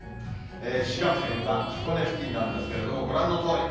滋賀県は彦根付近なんですけれども、ご覧のとおり。